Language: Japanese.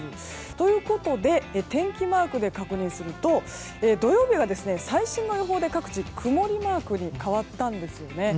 ということで天気マークで確認すると土曜日は最新の予報で各地、曇りマークに変わったんですよね。